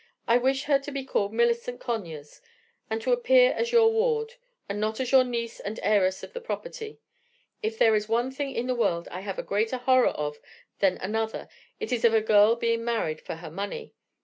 I wish her to be called Millicent Conyers, and to appear as your ward, and not as your niece and heiress of the property. If there is one thing in the world I have a greater horror of than another, it is of a girl being married for her money.